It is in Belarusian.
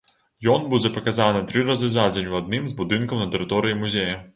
Ён будзе паказаны тры разы за дзень у адным з будынкаў на тэрыторыі музея.